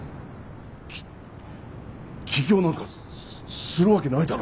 き起業なんかすするわけないだろ。